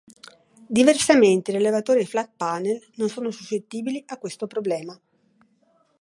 Diversamente, i rilevatori "flat panel" non sono suscettibili a questo problema.